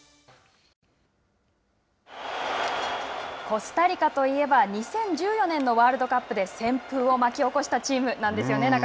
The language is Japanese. コスタリカといえば２０１４年のワールドカップで旋風を巻き起こしたチームなんですよね